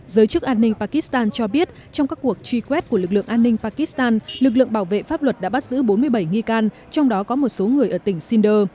giới chức an ninh pakistan cho biết trong các cuộc truy quét của lực lượng an ninh pakistan lực lượng bảo vệ pháp luật đã bắt giữ bốn mươi bảy nghi can trong đó có một số người ở tỉnh shinders